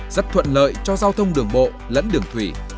rất thuận lợi cho giao thông đường bộ lẫn đường thủy